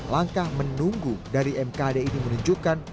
langkah menunggu dari mkd ini menunjukkan